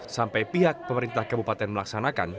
sampai pihak pemerintah kabupaten melaksanakan